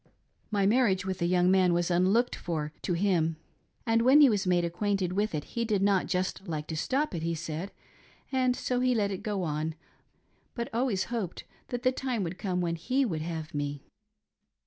My marriage with a young man was unlooked for to him, and when he was made acquainted with it he did not just like to stop it, he said, and so he let it go on, but always hoped that the time would come when he would have me.